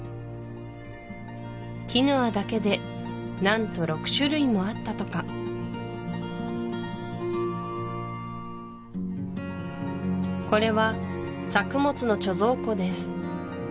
キヌアだけで何と６種類もあったとかこれは作物の貯蔵庫です